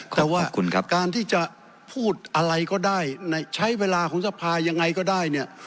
แต่ว่าการที่จะพูดอะไรก็ได้ใช้เวลาของสภายังไงก็ได้เนี่ย